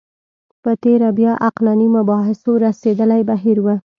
په تېره بیا عقلاني مباحثو رسېدلی بهیر و